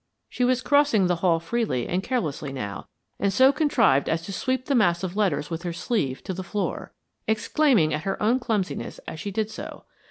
She was crossing the hall freely and carelessly now, and so contrived as to sweep the mass of letters with her sleeve to the floor, exclaiming at her own clumsiness as she did so.